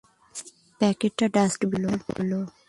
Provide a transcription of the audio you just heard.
প্যাকেটটা ডাষ্টবিনে পড়ল।